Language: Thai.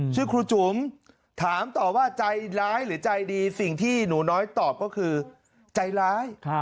ชื่อครูจุ๋มถามต่อว่าใจร้ายหรือใจดีสิ่งที่หนูน้อยตอบก็คือใจร้าย